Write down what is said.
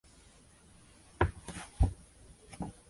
经济以渔业为主。